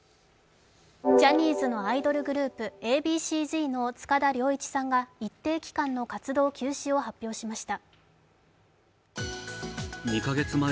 ジャニーズのアイドルグループ、Ａ．Ｂ．Ｃ−Ｚの塚田僚一さんが一定期間の活動休止を発表しました。